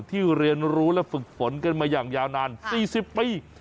เรียนรู้และฝึกฝนกันมาอย่างยาวนาน๔๐ปี